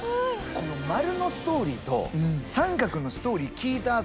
この丸のストーリーと三角のストーリー聞いたあとのだ円。